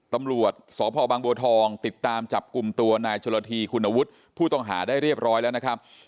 ตำรวจสพบางบัวทองติดตามจับกลุ่มตัวนายชลธีคุณวุฒิผู้ต้องหาได้เรียบร้อยแล้วนะครับ